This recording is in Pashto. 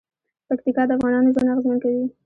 پکتیکا د افغانانو ژوند اغېزمن کوي.